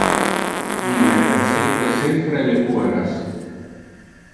Ille perseque sempre le pueras.